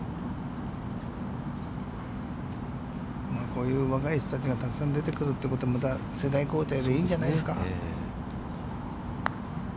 こういう若い人たちがたくさん出てくるというのは、また世代交代でいいんじゃないですか。